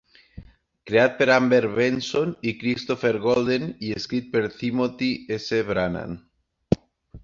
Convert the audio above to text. Creat per Amber Benson i Christopher Golden i escrit per Timothy S. Brannan.